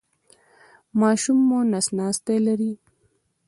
ماشوم مو نس ناستی لري؟